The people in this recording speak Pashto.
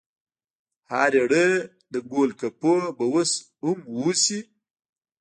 ها ریړۍ د ګول ګپو به اوس هم اوسي؟